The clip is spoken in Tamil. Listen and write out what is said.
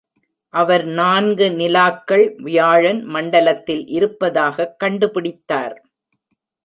அவர் நான்கு நிலாக்கள் வியாழன் மண்டலத்தில் இருப்பதாகக் கண்டு பிடித்தார்!